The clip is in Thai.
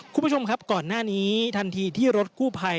คุณผู้ชมครับก่อนหน้านี้ทันทีที่รถกู้ภัย